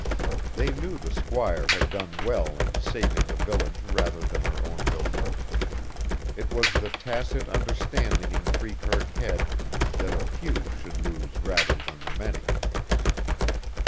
They knew the squire had done well in saving the village rather than their own buildings. It was the tacit understanding in Freekirk Head that a few should lose rather than the many.